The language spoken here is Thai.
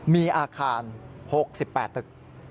มีอาคาร๖๘ตึก